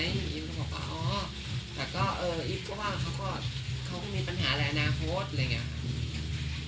อิฟท์ก็บอกว่าอ๋อแต่ก็เอออิฟท์ก็ว่าเขาก็เขาก็มีปัญหาแหลนาโพสต์อะไรอย่างเงี้ย